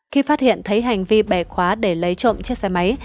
khi phát hiện thấy hành vi bẻ khóa để lấy trộm chiếc xe máy